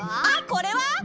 あっこれは！？